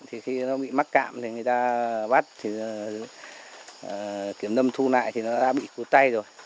thì khi nó bị mắc cạm thì người ta bắt kiểm nâm thu lại thì nó đã bị cụt tay rồi